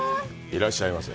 いらっしゃいませ。